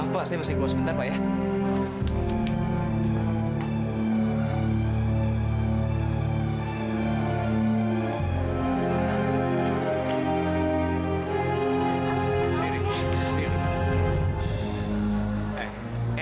terima kasih pak